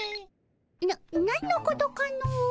な何のことかの。